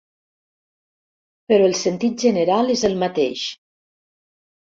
Però el sentit general és el mateix.